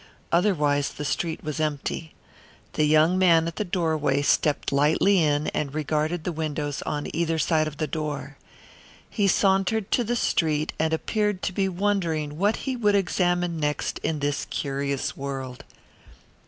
Otherwise the street was empty. The young man at the doorway stepped lightly in and regarded the windows on either side of the door. He sauntered to the street and appeared to be wondering what he would examine next in this curious world.